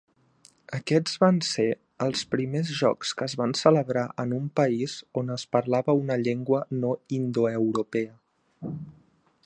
Aquests van ser els primers jocs que es van celebrar en un país on es parlava una llengua no indoeuropea.